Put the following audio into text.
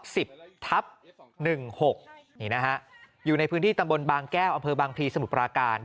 ซอยเบรมฤทัย๒๐